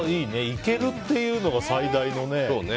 行けるっていうのが最大のね。